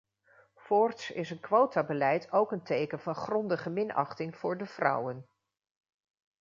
Voorts is een quotabeleid ook een teken van grondige minachting voor de vrouwen.